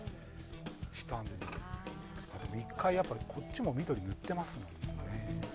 １回、こっちも緑に塗ってますもんね。